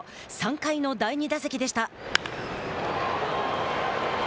３回の第２打席でした。